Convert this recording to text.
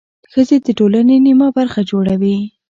ښځې د ټولنې نميه برخه جوړوي.